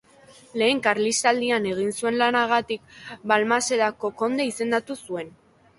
Lehen Karlistaldian egin zuen lanagatik Balmasedako konde izendatu zuten.